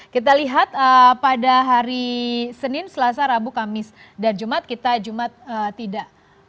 kita lihat pada hari senin selasa rabu kamis dan jumat kita jumat tidak